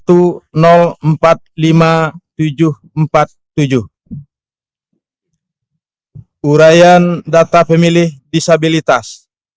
uraian data pemilih disabilitas